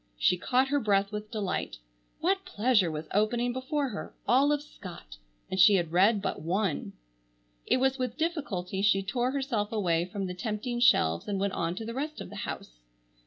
She caught her breath with delight. What pleasure was opening before her! All of Scott! And she had read but one! It was with difficulty she tore herself away from the tempting shelves and went on to the rest of the house.